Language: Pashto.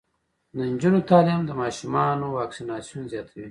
د نجونو تعلیم د ماشومانو واکسیناسیون زیاتوي.